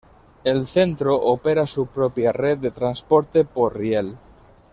El Centro opera su propia red de transporte por riel.